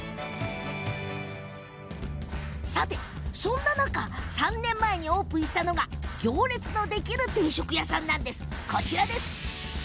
さて、そんな中３年前にオープンしたのが行列のできる定食屋さんです。